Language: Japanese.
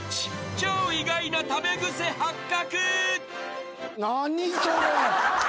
超意外な食べグセ発覚］